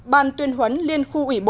ban tuyên huấn liên khu ủy bốn